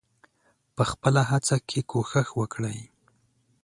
په خپله هڅه کې کوښښ وکړئ.